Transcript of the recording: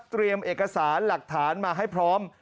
เตรียมเอกสารหลักฐานมาให้พร้อม